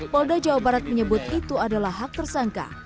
polda jawa barat menyebut itu adalah hak tersangka